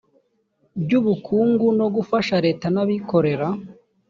ry ubukungu no gufasha leta n abikorera